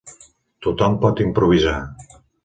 Tothom pot improvisar.